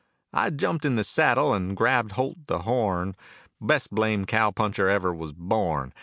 I jumped in the saddle and grabbed holt the horn, Best blamed cow puncher ever was born.